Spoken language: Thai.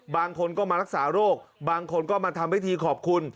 บางคนก็มารักษาโรคบางคนก็มาทำพิธีขอบคุณ